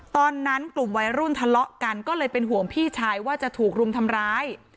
ตอนนั้นกลุ่มวัยรุ่นทะเลาะกันก็เลยเป็นห่วงพี่ชายว่าจะถูกรุมทำร้าย